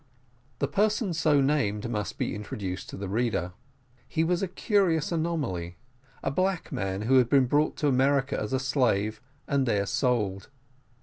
The person so named must be introduced to the reader. He was a curious anomaly a black man who had been brought to America as a slave, and there sold.